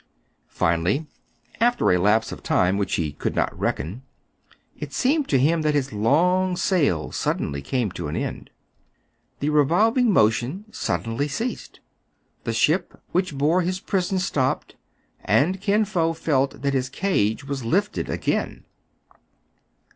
Finally, after a lapse of time which he could 266 TRIBULATIONS OF A CHINAMAN. not reckon, it seemed to him that his long sail suddenly came to an end. The revolving motion suddenly ceased. The ship which bore his prison stopped, and Kin Fo felt that his cage was lifted again.